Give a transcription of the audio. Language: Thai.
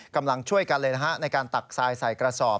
กำลังช่วยกันเลยนะฮะในการตักทรายใส่กระสอบ